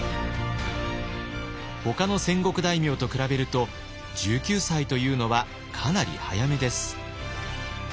ほかの戦国大名と比べると１９歳というのはかなり早めです。